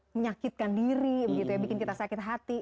menyakitkan diri bikin kita sakit hati